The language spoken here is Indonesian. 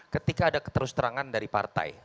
ketika ada keterusterangan dari partai